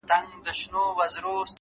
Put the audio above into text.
هره شېبه د مثبت بدلون امکان لري’